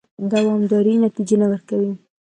دوامدارې نتیجې نه ورکوي.